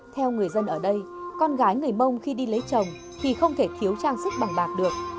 theo người dân ở đây con gái người mông khi đi lấy chồng thì không thể thiếu trang sức bằng bạc được